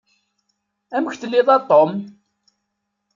Amek telliḍ a Tom?